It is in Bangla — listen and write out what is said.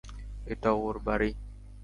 ওটা ওর বাড়ি।